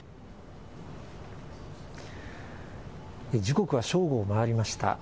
時刻は正午を回りました。